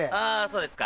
そうですか。